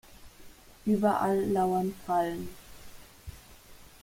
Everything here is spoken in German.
Überall lauern Fallen.